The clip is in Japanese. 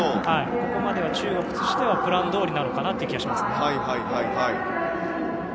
ここまでは、中国としてはプランどおりかと思います。